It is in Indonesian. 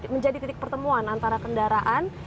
menjadi titik pertemuan antara kendaraan